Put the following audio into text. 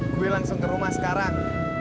gue langsung ke rumah sekarang